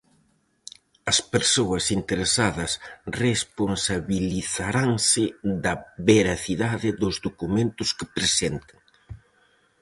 As persoas interesadas responsabilizaranse da veracidade dos documentos que presenten.